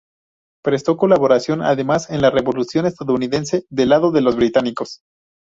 Prestó colaboración, además, en la Revolución estadounidense del lado de los británicos.